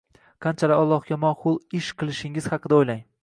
qanchalar Allohga ma’qul ish qilishingiz haqida o‘ylang.